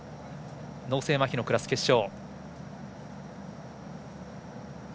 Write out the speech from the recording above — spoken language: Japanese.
脳性まひのクラス、決勝。